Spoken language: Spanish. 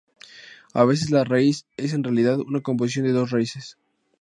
A veces la raíz es en realidad una composición de dos raíces.